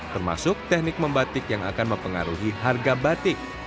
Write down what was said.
termasuk teknik membatik yang akan mempengaruhi harga batik